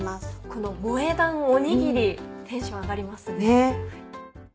この萌え断おにぎりテンション上がりますね。